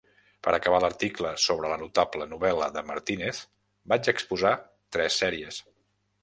Per acabar l'article sobre la notable novel·la de Martínez vaig exposar tres sèries.